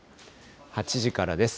８時からです。